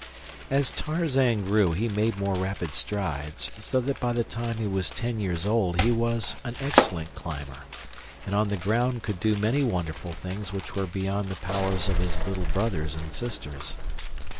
As Tarzan grew he made more rapid strides, so that by the time he was ten years old he was an excellent climber, and on the ground could do many wonderful things which were beyond the powers of his little brothers and sisters.